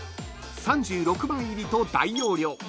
［３６枚入りと大容量］